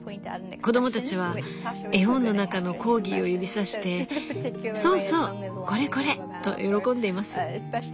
子供たちは絵本の中のコーギーを指さしてそうそうこれこれと喜んでいます。